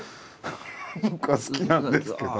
僕は好きなんですけど。